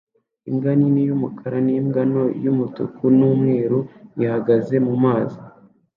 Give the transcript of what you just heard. Imbwa nini yumukara nimbwa ntoya itukura numweru ihagaze mumazi